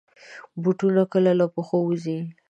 بوټونه کله له پښو وځي.